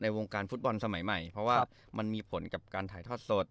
วงการฟุตบอลสมัยใหม่เพราะว่ามันมีผลกับการถ่ายทอดสด